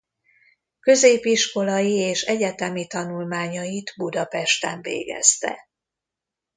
Középiskolai és egyetemi tanulmányait Budapesten végezte.